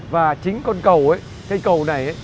và chính con cầu cây cầu này